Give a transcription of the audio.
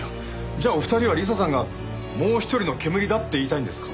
じゃあお二人は理沙さんがもう一人のけむりだって言いたいんですか？